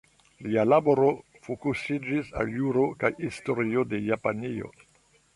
Lia laboro fokusiĝis al juro kaj historio de Japanio.